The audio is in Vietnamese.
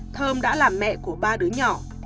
thơm đã là mẹ của ba đứa nhỏ